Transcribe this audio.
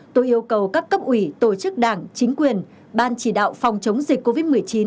tôi yêu cầu các cấp ủy tổ chức đảng chính quyền ban chỉ đạo phòng chống dịch covid một mươi chín